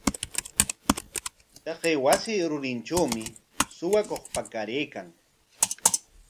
Taqay wasi rurintrawmi suwakuq pakaraykan.